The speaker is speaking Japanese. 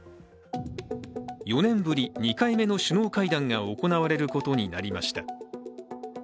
４年ぶり、２回ぶりの首脳会談が行われることになりました。